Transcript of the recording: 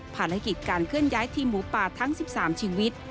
ภารกิจการเคลื่อนย้ายทีมหมูป่าทั้ง๑๓ชีวิต